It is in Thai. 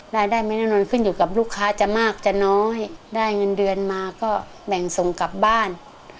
ได้ไม่แน่นอนขึ้นอยู่กับลูกค้าจะมากจะน้อยได้เงินเดือนมาก็แบ่งส่งกลับบ้าน